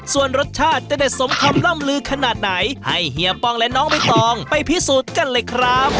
ส่วนรสชาติจะเด็ดสมคำล่ำลือขนาดไหนให้เฮียป้องและน้องใบตองไปพิสูจน์กันเลยครับ